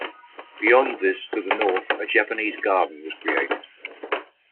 Beyond this, to the north, a Japanese garden was created.